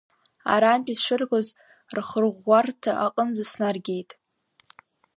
Арантәи сшыргоз, рхырӷәӷәарҭа аҟынӡа снаргеит…